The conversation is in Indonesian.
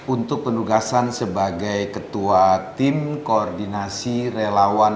untuk penugasan sebagai ketua tim koordinasi relawan